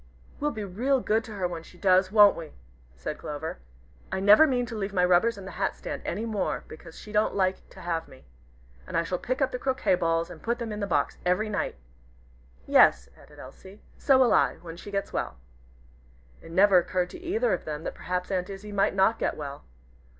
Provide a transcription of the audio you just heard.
"We'll be real good to her when she does, won't we?" said Clover. "I never mean to leave my rubbers in the hat stand any more, because she don't like to have me. And I shall pick up the croquet balls and put them in the box every night." "Yes," added Elsie, "so will I, when she gets well." It never occurred to either of them that perhaps Aunt Izzie might not get well.